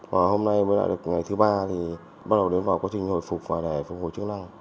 và hôm nay mới lại được ngày thứ ba thì bắt đầu đến vào quá trình hồi phục và để phục hồi chức năng